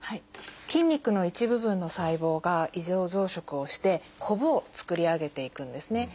筋肉の一部分の細胞が異常増殖をしてコブを作り上げていくんですね。